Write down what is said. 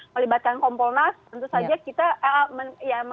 melibatkan kompolnas tentu saja kita